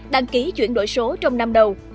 đăng ký chuyển đổi số trong năm đầu